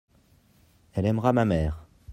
elle aimera ma mère.